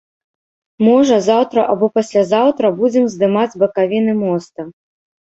Можа, заўтра або паслязаўтра будзем здымаць бакавіны моста.